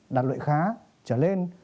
đạt lợi khá trở lên